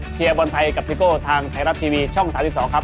บอลไทยกับซิโก้ทางไทยรัฐทีวีช่อง๓๒ครับ